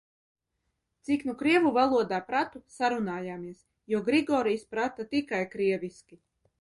Cik nu krievu valodā pratu, sarunājāmies, jo Grigorijs prata tikai krieviski.